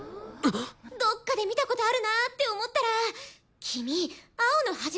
どっかで見たことあるなって思ったら君青野ハジメくんだよね！